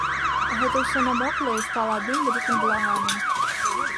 Гэта ўсё намокла і стала адным вялікім балаганам.